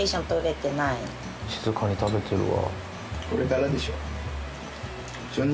静かに食べてるわ。